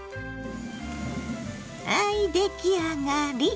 はい出来上がり！